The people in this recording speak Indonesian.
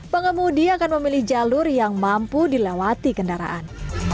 pengemudi akan memilih jalur yang mampu dilewati kendaraan